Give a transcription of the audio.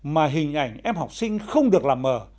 mà hình ảnh em học sinh không được làm mờ